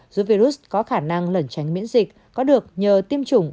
giúp virus có khả năng lẩn tránh miễn dịch có được nhờ tiêm chủng